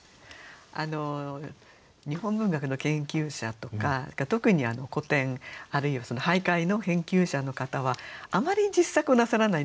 日本文学の研究者とか特に古典あるいは俳諧の研究者の方はあまり実作をなさらないんですよね。